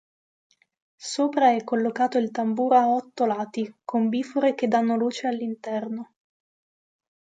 Sopra è collocato il tamburo a otto lati con bifore che danno luce all'interno.